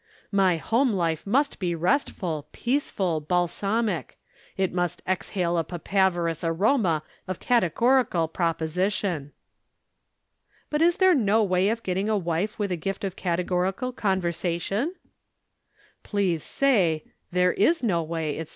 My home life must be restful, peaceful, balsamic it must exhale a papaverous aroma of categorical proposition." "But is there no way of getting a wife with a gift of categorical conversation?" "Please say, 'There is no way, etc.